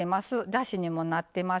だしにもなってます。